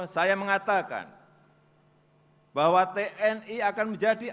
saya mengatakan bahwa tni akan menjadi